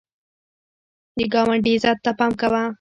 د ګاونډي عزت ته پام کوه